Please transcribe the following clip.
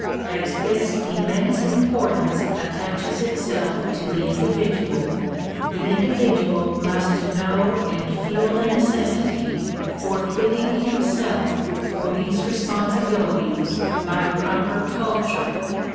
As this immense importance attaches itself to the indi vidual, the individual must know and feel the necessity for fitting himself for these responsi bilities by proper culture.